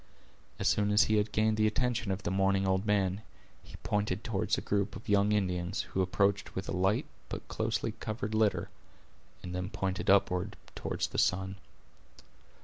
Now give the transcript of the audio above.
As soon as he had gained the attention of the mourning old man, he pointed toward a group of young Indians, who approached with a light but closely covered litter, and then pointed upward toward the sun.